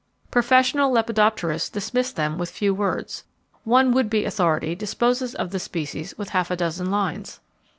Professional lepidopterists dismiss them with few words. One would be authority disposes of the species with half a dozen lines.